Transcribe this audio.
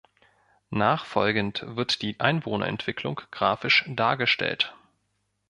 Nachfolgend wird die Einwohnerentwicklung grafisch dargestellt.